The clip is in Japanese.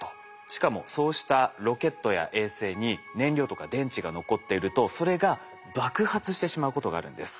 しかもそうしたロケットや衛星に燃料とか電池が残っているとそれが爆発してしまうことがあるんです。